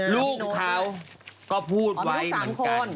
อ๋อลูก๓คน